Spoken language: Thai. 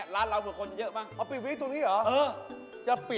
นางเอกริเกย์นี่ไง